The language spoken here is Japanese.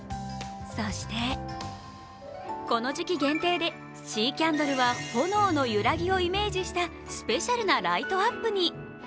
そして、この時期限定でシーキャンドルは炎の揺らぎをイメージしたスペシャルなライトアップに。